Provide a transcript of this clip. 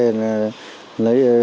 là lấy bằng lái xe